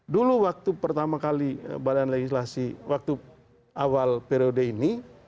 dulu waktu pertama kali badan legislasi waktu awal periode ini